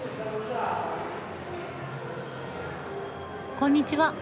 こんにちは。